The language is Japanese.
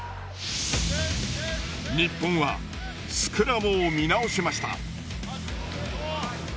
日本はスクラムを見直しました。